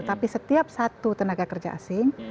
tapi setiap satu tenaga kerja asing